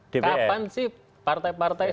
kapan sih partai partai